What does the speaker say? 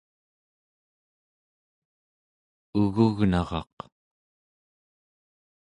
ugugnaraq